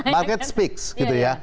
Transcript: market speaks gitu ya